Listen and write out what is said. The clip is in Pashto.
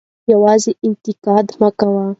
یوازې انتقاد مه کوئ.